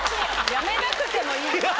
やめなくてもいいよ。